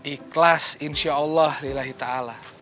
ikhlas insya allah lillahi ta'ala